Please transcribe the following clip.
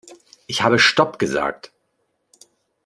Ich habe stopp gesagt.